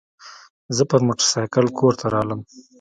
زه پر موترسایکل کور ته رالم.